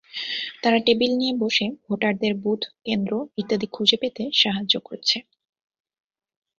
তারা টেবিল নিয়ে বসে ভোটারদের বুথ-কেন্দ্র ইত্যাদি খুঁজে পেতে সাহায্য করছে।